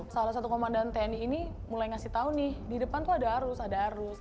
salah satu komandan tni ini mulai ngasih tau nih di depan tuh ada arus ada arus